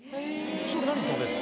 それ何で食べるの？